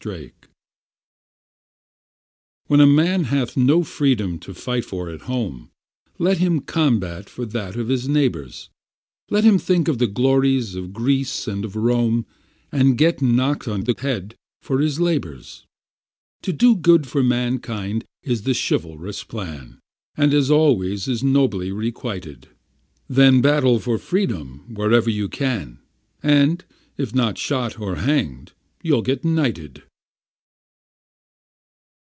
When a man hath no freedom to fight for at home, Let him combat for that of his neighbours; Let him think of the glories of Greece and of Rome, And get knocked on the head for his labours. To do good to Mankind is the chivalrous plan, And is always as nobly requited; Then battle for Freedom wherever you can, And, if not shot or hanged, you'll get knighted.